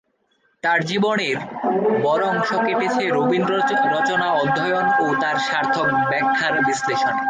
তাঁর জীবনের বড় অংশ কেটেছে রবীন্দ্ররচনা অধ্যয়ন ও তার সার্থক ব্যাখ্যা-বিশ্লেষণে।